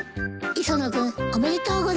磯野君おめでとうございます。